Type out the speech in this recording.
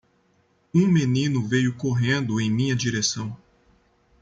Um menino veio correndo em minha direção.